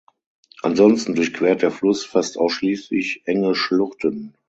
Ansonsten durchquert der Fluss fast ausschließlich enge Schluchten.